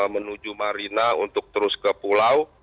menuju marina untuk terus ke pulau